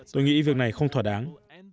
tôi nghĩ việc này không thỏa đáng